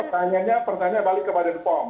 karena pertanyaannya balik kepada bepom